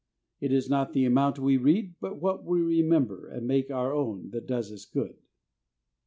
It is not the amount we read, but what we remember and make our own that does us good.